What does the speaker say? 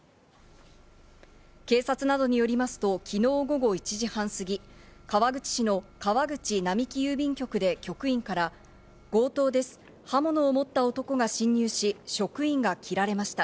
警察などによりますと昨日、午後１時半過ぎ、川口市の川口並木郵便局で、局員から、強盗です、刃物を持った男が侵入し、職員が切られました。